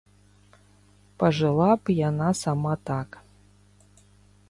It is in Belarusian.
Пажыла б яна сама так!